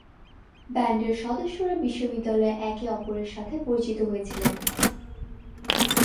ব্যান্ডের সদস্যরা বিশ্ববিদ্যালয়ে একে অপরের সাথে পরিচিত হয়েছিলেন।